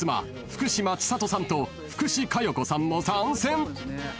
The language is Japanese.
福島千里さんと福士加代子さんも参戦］